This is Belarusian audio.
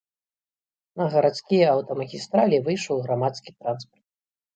На гарадскія аўтамагістралі выйшаў грамадскі транспарт.